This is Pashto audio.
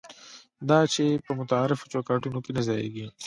دا چې په متعارفو چوکاټونو کې نه ځایېږي.